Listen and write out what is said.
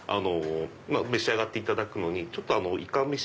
召し上がっていただくのにイカメシ